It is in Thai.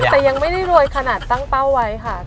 แต่ยังไม่ได้รวยขนาดตั้งเป้าไว้ค่ะ